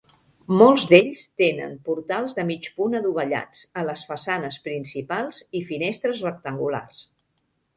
Molts d'ells tenen portals de mig punt adovellats a les façanes principals i finestres rectangulars.